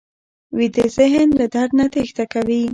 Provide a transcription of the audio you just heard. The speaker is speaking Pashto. ویده ذهن له درد نه تېښته کوي